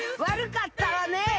「悪かったわね」